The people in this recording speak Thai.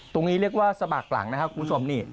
ตรงนี้เรียกว่าสมัครหลังนะครับคุณผู้ชมนี่